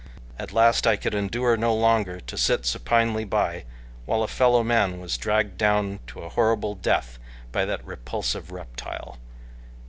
At last I could endure no longer to sit supinely by while a fellowman was dragged down to a horrible death by that repulsive reptile.